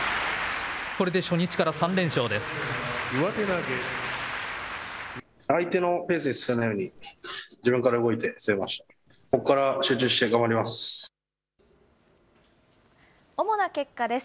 これで初日から３連勝です。